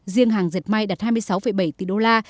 riêng hàng dệt may đạt hai mươi sáu bảy tỷ đô la